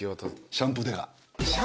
シャンプー刑事。